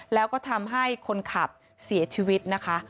แล้วก็ทำให้คนขับเสียชีวิตนะคะ